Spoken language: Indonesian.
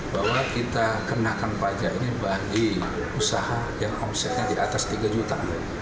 bahwa kita kenakan pajak ini bagi usaha yang omsetnya di atas tiga juta